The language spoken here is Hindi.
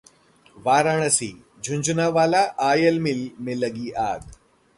वाराणसी: झुनझुनवाला आयल मिल में लगी आग